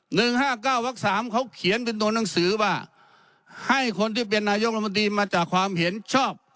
ห้าเก้าวักสามเขาเขียนเป็นตัวหนังสือว่าให้คนที่เป็นนายกรมนตรีมาจากความเห็นชอบ